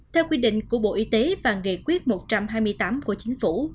theo quy định của bộ y tế và nghị quyết một trăm hai mươi tám của chính phủ